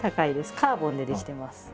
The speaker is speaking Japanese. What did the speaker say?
カーボンで出来てます。